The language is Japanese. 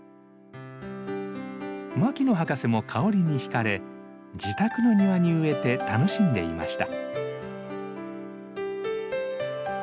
牧野博士も香りに惹かれ自宅の庭に植えて楽しんでいました。